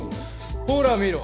ほら見ろ。